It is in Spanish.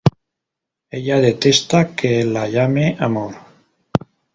Ella detesta que la llame amor.